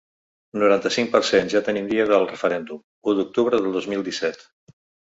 Noranta-cinc per cent Ja tenim dia del referèndum: u d’octubre de dos mil disset.